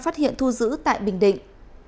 phát hiện thu giữ tại bình định